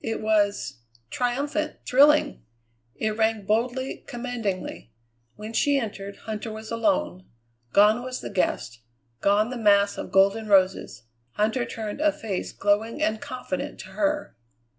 It was triumphant, thrilling. It rang boldly, commandingly. When she entered, Huntter was alone. Gone was the guest; gone the mass of golden roses. Huntter turned a face glowing and confident to her.